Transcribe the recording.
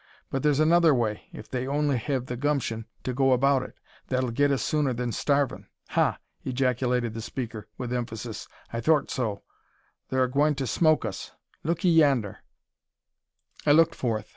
But thur's another way, ef they only hev the gumshin to go about it, that'll git us sooner than starvin'. Ha!" ejaculated the speaker, with emphasis. "I thort so. Thur a gwine to smoke us. Look 'ee yander!" I looked forth.